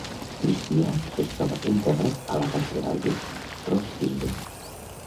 Cristià es troba enterrat a la Catedral de Roskilde.